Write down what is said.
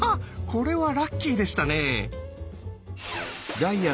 これはラッキーでしたね。